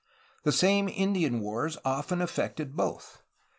The same Indian wars often affected both.